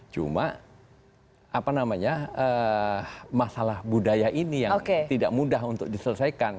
cuma masalah budaya ini yang tidak mudah untuk diselesaikan